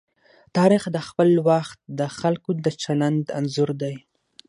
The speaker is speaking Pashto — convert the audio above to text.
تاریخ د خپل وخت د خلکو د چلند انځور دی.